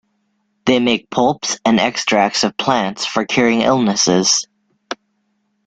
They make pulps and extracts of plants for curing illnesses.